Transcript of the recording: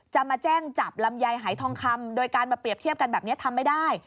มาแจ้งจับลำไยหายทองคำโดยการมาเปรียบเทียบกันแบบนี้ทำไม่ได้